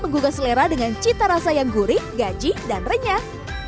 menggugah selera dengan cita rasa yang gurih gaji dan renyah